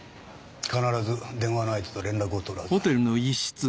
必ず電話の相手と連絡をとるはずだ。